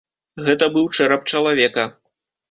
Гэта быў чэрап чалавека.